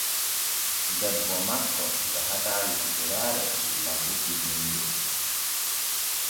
Debbo makko yahataa lokotoraare illa fuɗɗi dinŋol.